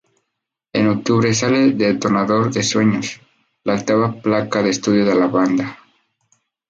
En octubre sale Detonador de sueños, la octava placa de estudio de la banda.